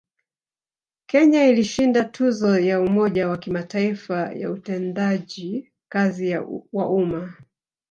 Kenya ilishinda tuzo ya Umoja wa Kimataifa ya Utendaji kazi wa Umma